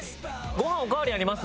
ご飯おかわりあります？